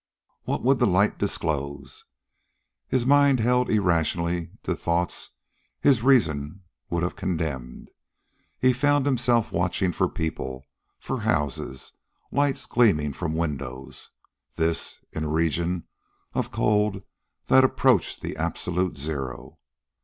What would the light disclose? His mind held irrationally to thoughts his reason would have condemned. He found himself watching for people, for houses, lights gleaming from windows. This, in a region of cold that approached the absolute zero.